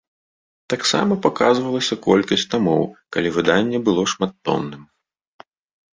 Таксама паказвалася колькасць тамоў, калі выданне было шматтомным.